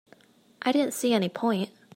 I didn't see any point.